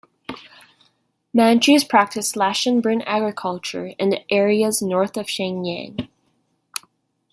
Manchus practiced slash-and-burn agriculture in the areas north of Shenyang.